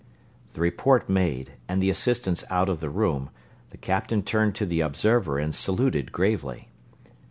The report made and the assistants out of the room, the captain turned to the observer and saluted gravely.